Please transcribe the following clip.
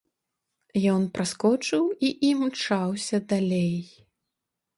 Ён праскочыў і імчаўся далей.